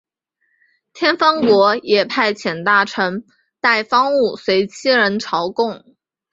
天方国也派遣大臣带方物随七人朝贡。